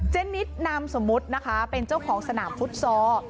นิดนามสมมุตินะคะเป็นเจ้าของสนามฟุตซอล